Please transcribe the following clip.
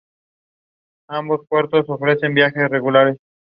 Se puede aplicar tanto en las imágenes fijas cómo en los fragmentos de vídeo.